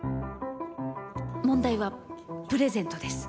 問題はプレゼントです。